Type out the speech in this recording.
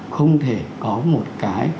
không thể có một cái